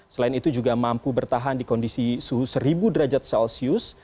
selain itu juga mampu bertahan di kondisi suhu seribu derajat celcius